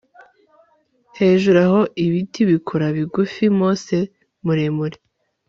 Hejuru aho ibiti bikura bigufi mose muremure